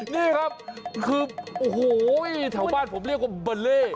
นี่ครับคือโอ้โหแถวบ้านผมเรียกว่าเบอร์เล่